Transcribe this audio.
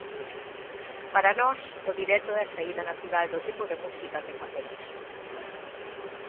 Para nós, o directo é a saída natural do tipo de música que facemos.